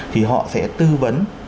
thì họ sẽ tư vấn